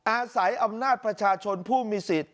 อาศัยอำนาจประชาชนผู้มีสิทธิ์